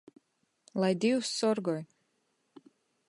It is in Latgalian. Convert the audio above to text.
Lai Dīvs sorgoj!